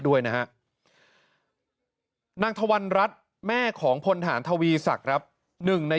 ด้วยนะฮะนางทวันรัฐแม่ของพลฐานทวีศักดิ์ครับหนึ่งใน